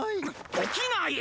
おきない！